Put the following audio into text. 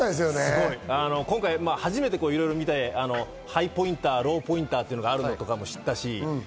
今回、初めていろいろ見て、ハイポインター、ローポインターがあるのも知ったし。